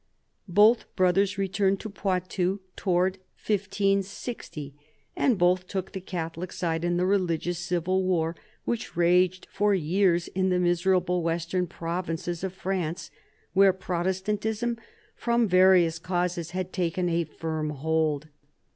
Both brothers returned to Poitou towards 1560, and both took the Catholic side in the religious civil war which raged for years in the miserable western provinces of France, where Protestantism, from various causes, had taken a firm hold.